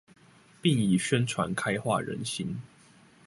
並以宣傳開化人心